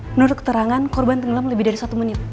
menurut keterangan korban tenggelam lebih dari satu menit